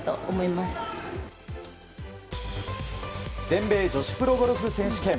全米女子プロゴルフ選手権。